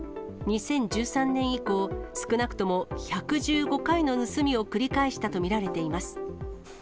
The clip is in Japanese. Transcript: ２０１３年以降、少なくとも１１５回の盗みを繰り返したと見られています。